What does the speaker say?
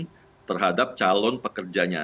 scoring terhadap calon pekerjanya